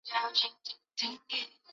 吕伊涅人口变化图示